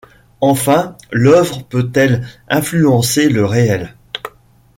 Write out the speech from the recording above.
Enfin, l'œuvre peut-elle influencer le réel?